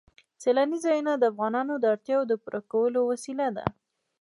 سیلانی ځایونه د افغانانو د اړتیاوو د پوره کولو وسیله ده.